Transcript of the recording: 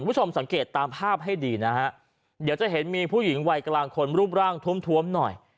คุณผู้ชมสังเกตตามภาพให้ดีนะฮะเดี๋ยวจะเห็นมีผู้หญิงวัยกลางคนรูปร่างท้วมทวมหน่อย